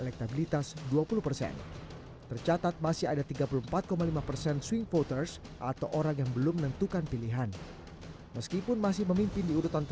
ketat sekali untuk porsi usia sini ya